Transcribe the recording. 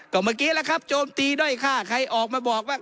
ก็เมื่อกี้แล้วครับโจมตีด้อยฆ่าใครออกมาบอกว่า